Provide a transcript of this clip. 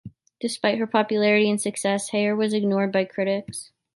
Despite her popularity and success, Heyer was ignored by critics.